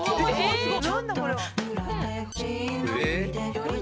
すごい！